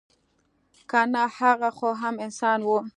که نه هغه خو هم انسان وه.